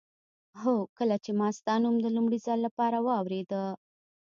هو کله چې ما ستا نوم د لومړي ځل لپاره واورېده.